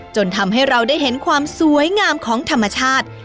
จนทำให้เราได้เห็นความสวยงามของธรรมชาติ